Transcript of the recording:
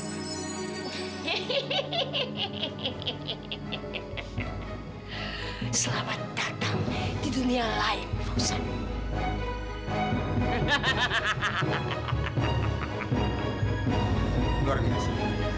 selamat datang di dunia lain fawzi